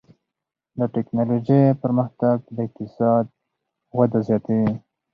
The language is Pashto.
د ټکنالوجۍ پرمختګ د اقتصاد وده زیاتوي.